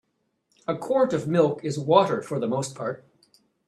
A quart of milk is water for the most part.